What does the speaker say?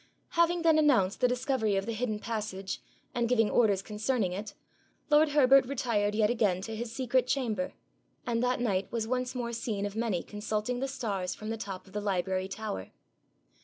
Having then announced the discovery of the hidden passage, and given orders concerning it, lord Herbert retired yet again to his secret chamber, and that night was once more seen of many consulting the stars from the top of the library tower.